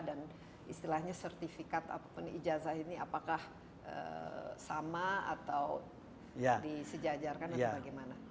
dan istilahnya sertifikat penijaza ini apakah sama atau disejajarkan atau bagaimana